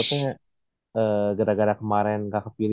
kasih ke ladybelle gitu